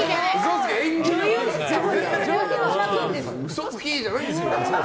嘘つきじゃないんですよ！